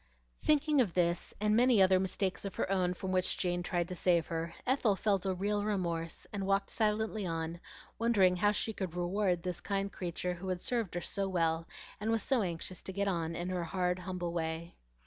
Thinking of this, and many other mistakes of her own from which Jane tried to save her, Ethel felt a real remorse, and walked silently on, wondering how she could reward this kind creature who had served her so well and was so anxious to get on in her hard, humble way.